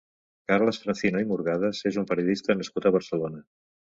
Carles Francino i Murgades és un periodista nascut a Barcelona.